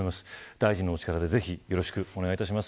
大臣のお力でよろしくお願いします。